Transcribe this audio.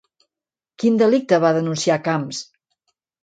Quin delicte va denunciar Camps?